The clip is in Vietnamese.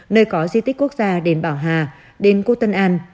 nơi có di tích quốc gia đền bảo hà đền cô tân an